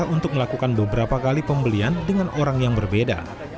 untuk melakukan beberapa kali pembelian dengan orang yang berbeda